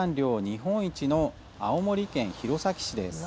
日本一の青森県弘前市です。